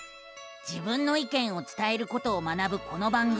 自分の意見を伝えることを学ぶこの番組。